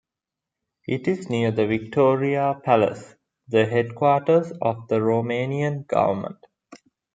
It is near the Victoria Palace, the headquarters of the Romanian government.